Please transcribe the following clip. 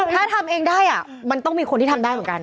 ถ้าทำเองได้มันต้องมีคนที่ทำได้เหมือนกัน